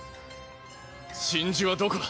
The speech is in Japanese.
真珠はどこだ？